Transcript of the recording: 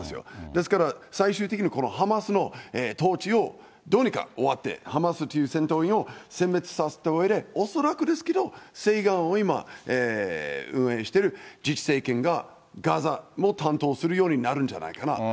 ですから、最終的にこのハマスの統治をどうにか終わって、ハマスという戦闘員をせん滅させたうえで、恐らくですけど西岸を今、運営している自治政権がガザも担当するようになるんじゃないかな。